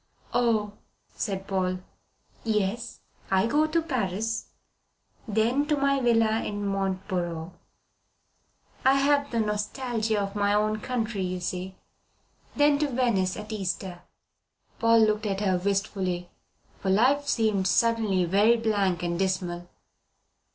"Oh!" said Paul. "Yes. I go to Paris, then to my villa at Mont Boron. I have the nostalgia of my own country, you see. Then to Venice at Easter." Paul looked at her wistfully, for life seemed suddenly very blank and dismal.